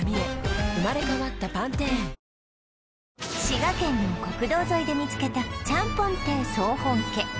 滋賀県の国道沿いで見つけたちゃんぽん亭総本家